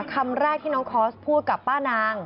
คำแรกที่น้องคอร์สพูดกับป้านาง